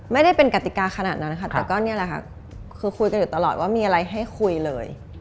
ไม่ได้เป็นกติกาขนาดนั้นค่ะแต่ก็นี่แหละค่ะคือคุยกันอยู่ตลอดว่ามีอะไรให้คุยเลย